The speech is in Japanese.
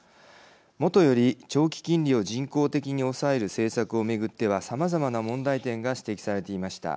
もとより、長期金利を人工的に抑える政策を巡ってはさまざまな問題点が指摘されていました。